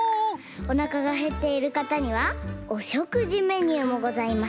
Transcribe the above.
おなかがへっているかたにはおしょくじメニューもございます。